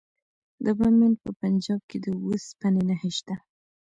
د بامیان په پنجاب کې د وسپنې نښې شته.